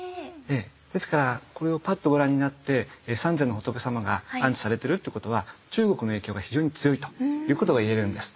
ですからこれをパッとご覧になって三世の仏様が安置されてるってことは中国の影響が非常に強いということがいえるんです。